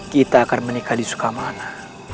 kita akan menikah di sukamana